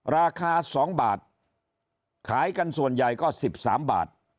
ราคา๒บาทขายกันส่วนใหญ่ก็๑๓บาท